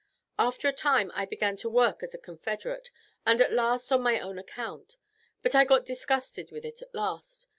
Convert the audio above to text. After a time I began to work as a confederate, and at last on my own account; but I got disgusted with it at last.